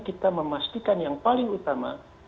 kita memastikan yang paling utama